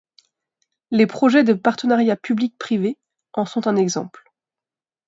Les projets de partenariat public-privé en sont un exemple.